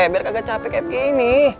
biar kagak capek kayak gini